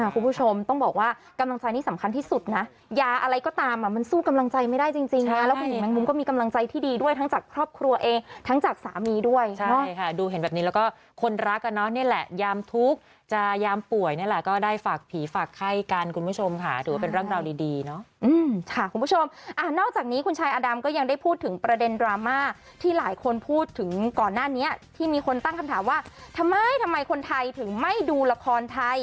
คุณผู้ชมต้องบอกว่ากำลังใจนี่สำคัญที่สุดนะยาอะไรก็ตามมันสู้กำลังใจไม่ได้จริงแล้วมันก็มีกำลังใจที่ดีด้วยทั้งจากครอบครัวเองทั้งจากสามีด้วยค่ะดูเห็นแบบนี้แล้วก็คนรักกันเนี่ยแหละยามทุกข์จะยามป่วยนี่แหละก็ได้ฝากผีฝากไข้กันคุณผู้ชมค่ะถือว่าเป็นร่างราวดีเนาะค่ะคุณผู้ชม